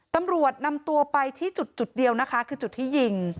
ตำรวจนำตัวไปชี้จุดจุดเดียวนะคะคือจุดที่ยิง